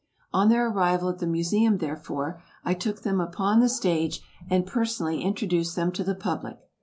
On their arrival at the Museum, therefore, I took them upon the stage and personally introduced them to the public.